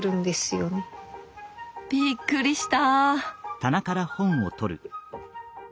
びっくりした。